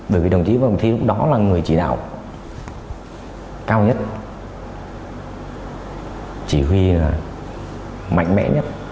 bởi vì đồng chí phan ngọc thi lúc đó là người chỉ đạo cao nhất chỉ huy mạnh mẽ nhất